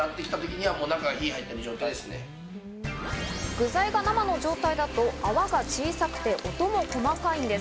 具材が生の状態だと泡が小さくて音も細かいんです。